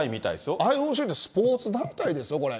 ＩＯＣって、スポーツ団体ですよ、これ。